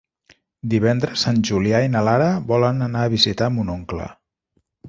Divendres en Julià i na Lara volen anar a visitar mon oncle.